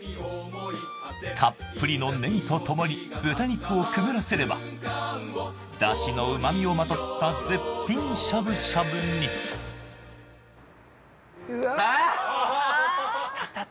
たっぷりのネギとともに豚肉をくぐらせれば出汁の旨味をまとった絶品しゃぶしゃぶにあっ！